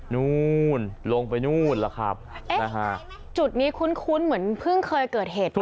นู่นลงไปนู่นล่ะครับเอ๊ะนะฮะจุดนี้คุ้นเหมือนเพิ่งเคยเกิดเหตุไป